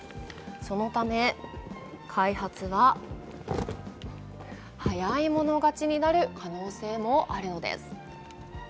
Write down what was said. そのため、開発は早い者勝ちになる可能性もあるのです。